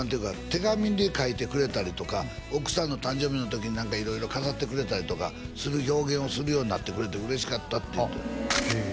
手紙で書いてくれたりとか奥さんの誕生日の時に何か色々飾ってくれたりとかする表現をするようになってくれて嬉しかったって言うてへえ